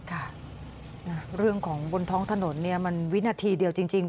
ค่ะเรื่องของบนท้องถนนเนี่ยมันวินาทีเดียวจริง